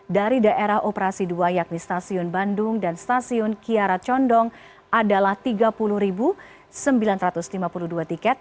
dari daerah operasi dua yakni stasiun bandung dan stasiun kiara condong adalah tiga puluh sembilan ratus lima puluh dua tiket